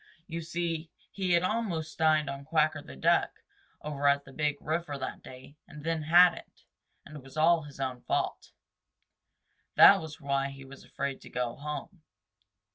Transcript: You see, he had almost dined on Quacker the Duck over at the Big River that day and then hadn't, and it was all his own fault. That was why he was afraid to go home.